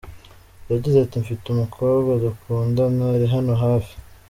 Yagize ati “mfite umukobwa dukundana ari hano hafi “.